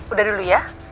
udah dulu ya